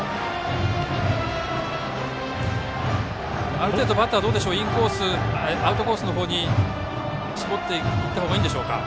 ある程度バッターはアウトコースの方に絞っていったほうがいいんでしょうか。